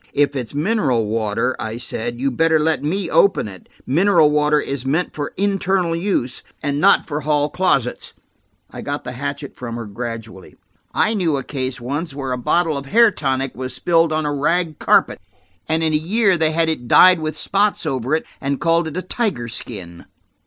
"If it's mineral water," I said, "you'd better let me open it. Mineral water is meant for internal use, and not for hall carpets." I got the hatchet from her gradually. "I knew a case once where a bottle of hair tonic was spilled on a rag carpet, and in a year they had it dyed with spots over it and called it a tiger skin."